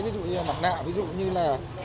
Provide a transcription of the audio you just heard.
ví dụ như mặt nạ ví dụ như là